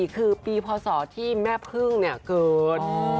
คือปีพศที่แม่พึ่งเกิด